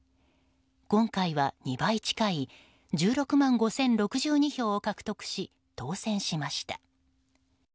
今回は２倍近い１６万５０６２票を獲得し当選しました。